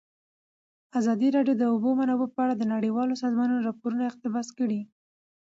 ازادي راډیو د د اوبو منابع په اړه د نړیوالو سازمانونو راپورونه اقتباس کړي.